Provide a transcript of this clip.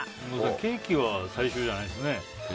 ケーキは最初じゃないですよね。